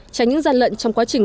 tránh những gian lận trong quá trình